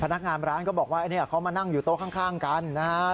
พนักงานร้านก็บอกว่าเขามานั่งอยู่โต๊ะข้างกันนะครับ